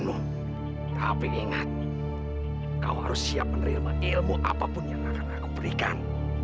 yang akan aku berikan